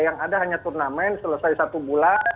yang ada hanya turnamen selesai satu bulan